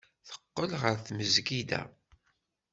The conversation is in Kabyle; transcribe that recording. Teqqel ɣer tmesgida.